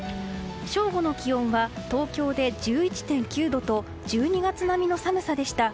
正午の気温は東京で１１．９度と１２月並みの寒さでした。